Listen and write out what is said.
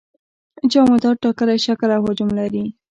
جامدات ټاکلی شکل او حجم لري.